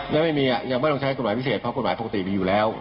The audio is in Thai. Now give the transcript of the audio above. อย่างไม่มีถ้าใครต้องใช้กฎไหลอยู่เราอะ